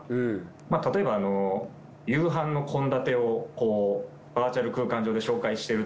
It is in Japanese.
例えば夕飯の献立をバーチャル空間上で紹介してるとか。